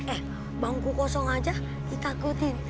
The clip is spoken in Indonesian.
eh bangku kosong aja ditakutin